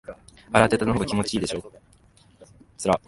洗いたてのほうが気持ちいいでしょ？